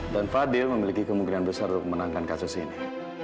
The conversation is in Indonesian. dan fadhil memiliki kemungkinan besar untuk memenangkan kasus ini